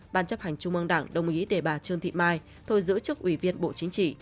ban chấp hành trung ương đảng đồng ý để bà trương thị mai thôi giữ chức ủy viên bộ chính trị